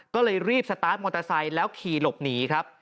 ก็เลยรีบสตาร์ทมอเตอร์ไซค์แล้วขี่หลบหนีครับ